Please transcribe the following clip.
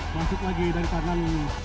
masuk lagi dari tangan